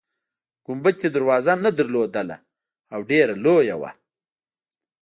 ګنبده دروازه نلرله او ډیره لویه وه.